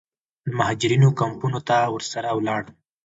د مهاجرینو کمپونو ته ورسره ولاړم.